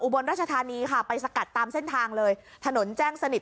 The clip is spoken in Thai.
บนราชธานีค่ะไปสกัดตามเส้นทางเลยถนนแจ้งสนิท